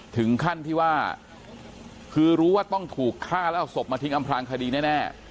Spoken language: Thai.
ถึงขั้นที่ว่าคือรู้ว่าต้องถูกฆ่าแล้วเอาศพมาทิ้งอำพลางคดีแน่